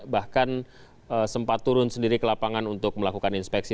bahkan sempat turun sendiri ke lapangan untuk melakukan inspeksi